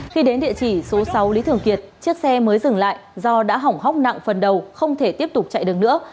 khi đến địa chỉ số sáu lý thường kiệt chiếc xe mới dừng lại do đã hỏng hóc nặng phần đầu không thể tiếp tục chạy được nữa